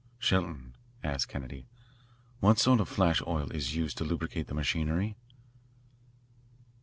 "Shelton," asked Kennedy, "what sort of flash oil is used to lubricate the machinery?"